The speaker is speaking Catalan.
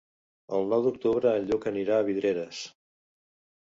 El nou d'octubre en Lluc anirà a Vidreres.